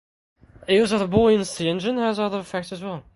The use of the buoyancy engine has other effects as well.